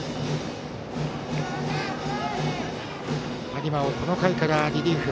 有馬をこの回からリリーフ。